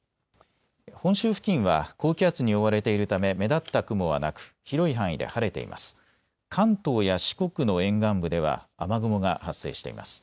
本州付近は高気圧に覆われているため目立った雲はなく広い範囲で晴れています。